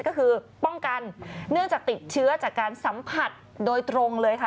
ก็คือป้องกันเนื่องจากติดเชื้อจากการสัมผัสโดยตรงเลยค่ะ